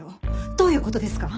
どういう事ですか！？